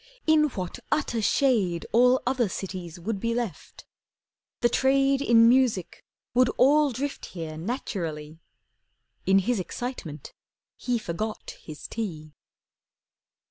In what utter shade All other cities would be left! The trade In music would all drift here naturally. In his excitement he forgot his tea.